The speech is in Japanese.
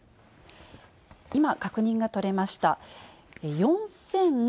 今、確認が取れました。